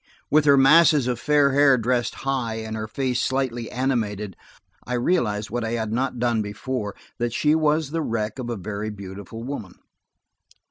With her masses of fair hair dressed high, and her face slightly animated, I realized what I had not done before–that she was the wreck of a very beautiful woman.